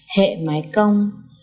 hẹ mái cong